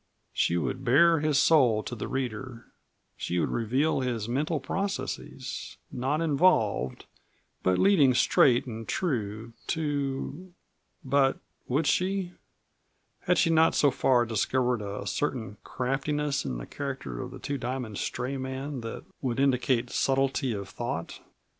She would bare his soul to the reader; she would reveal his mental processes not involved, but leading straight and true to But would she? Had she not so far discovered a certain craftiness in the character of the Two Diamond stray man that would indicate subtlety of thought?